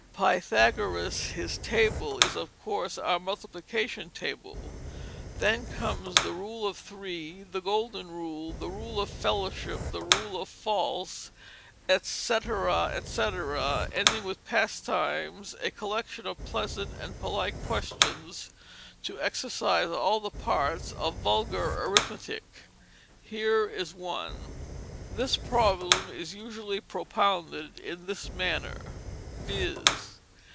"Pythagoras his Table," is, of course, our multiplication table. Then comes, the "Rule of Three," the "double Golden Rule," the "Rule of Fellowship," the "Rule of False," etc., etc., ending with "Pastimes, a collection of pleasant and polite Questions to exercise all the parts of Vulgar Arithmetick." Here is one: "This Problem is usually propounded in this manner, viz.